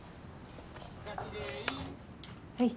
はい。